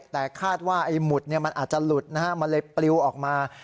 แต่คาดว่าหมุดนี้มันอาจจะหลุดมันเลยปลิวออกมา